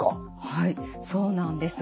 はいそうなんです。